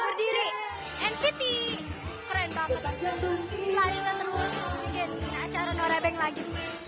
selalu kita terus bikin acara norebang lagi